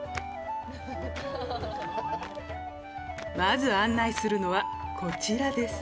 まず案内するのはこちらです。